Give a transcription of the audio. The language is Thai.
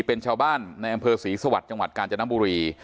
เป็นชาวบ้านในอำเภอศรีสวรรค์จังหวัดกาญจนบุรี